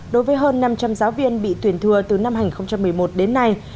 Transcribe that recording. đối với hơn năm trăm linh giáo viên bị tuyển thừa từ năm hai nghìn một mươi một đến nay